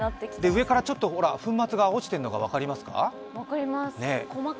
上からちょっと粉末が落ちてるのが分かりますか？